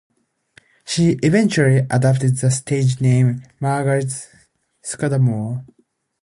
She eventually adopted the stage name Margaret Scudamore.